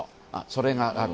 それがある。